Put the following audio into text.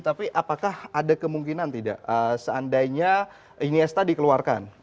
tapi apakah ada kemungkinan tidak seandainya iniesta dikeluarkan